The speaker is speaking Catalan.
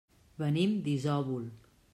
Venim d'Isòvol.